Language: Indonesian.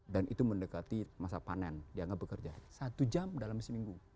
dan itu mendekati masa panen dia nggak bekerja satu jam dalam seminggu